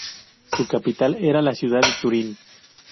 Su capital era la ciudad de Turín.